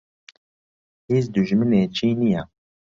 هیچ دوژمنێکی نییە.